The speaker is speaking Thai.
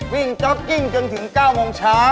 วิ่งจ๊อคกิ้นจนถึง๙โมงเช้า